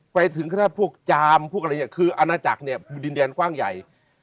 ไปถึงขนาดพวกจามพวกอะไรอย่างนี้คืออาณาจักรเนี่ยดินแดนกว้างใหญ่